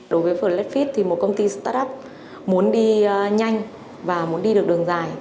đối với blackfeet thì một công ty start up muốn đi nhanh và muốn đi được đường dài